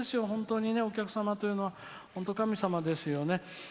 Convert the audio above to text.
本当にお客様というのは神様ですよね。